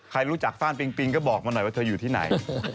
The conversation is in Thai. ใครรู้จักฟ่านปิงปิงก็บอกมาหน่อยว่าเธออยู่ที่ไหน